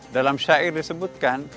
dalam syair disebutkan